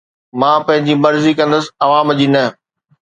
مان پنهنجي مرضي ڪندس، عوام جي نه